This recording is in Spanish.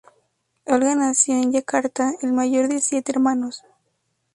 Olga nació en Yakarta, el mayor de siete hermanos.